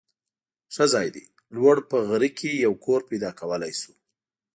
ښه ځای دی. لوړ په غر کې یو کور پیدا کولای شو.